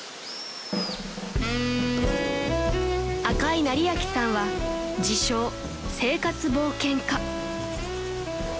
［赤井成彰さんは自称生活冒険家］